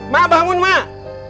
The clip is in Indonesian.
mak bangun mak